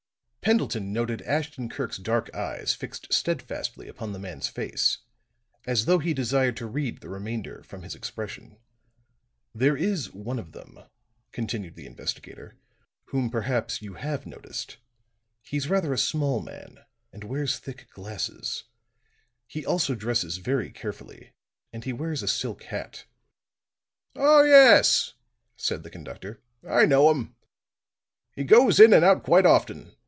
Pendleton noted Ashton Kirk's dark eyes fixed steadfastly upon the man's face as though he desired to read the remainder from his expression. "There is one of them," continued the investigator, "whom perhaps you have noticed. He's rather a small man, and wears thick glasses. He also dresses very carefully, and he wears a silk hat." "Oh, yes," said the conductor, "I know him. He goes in and out quite often.